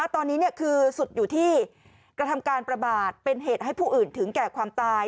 ตอนนี้คือสุดอยู่ที่กระทำการประมาทเป็นเหตุให้ผู้อื่นถึงแก่ความตาย